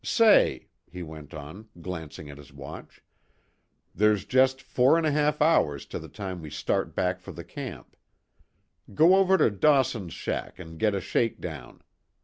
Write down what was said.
"Say," he went on, glancing at his watch, "there's just four and a half hours to the time we start back for the camp. Go over to Dawson's shack and get a shake down.